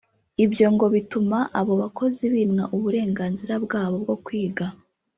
Ibyo ngo bituma abo bakozi bimwa uburenganzira bwabo bwo kwiga